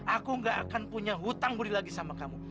aku gak akan punya hutang budi lagi sama kamu